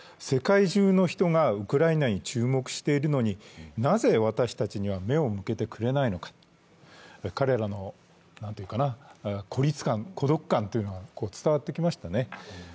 世界中の人がウクライナに注目しているのになぜ私たちには目を向けてくれないのか、彼らの孤立感、孤独感というのが伝わってきましたね。